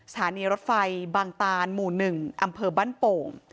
สถานีรถไฟบางตานหมู่๑อำเภอบ้านโป่ง